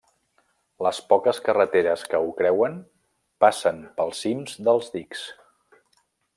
Les poques carreteres que ho creuen passen pels cims dels dics.